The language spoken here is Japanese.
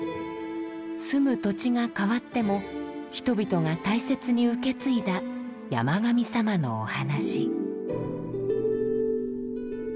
住む土地が変わっても人々が大切に受け継いだ山神さまのお話。